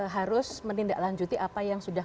harus menindaklanjuti apa yang sudah